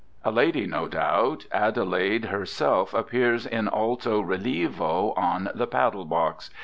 A lady, no doubt Adelaide herself, appears in alto rilievo on the paddle box.